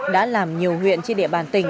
đã làm nhiều huyện trên địa bàn tỉnh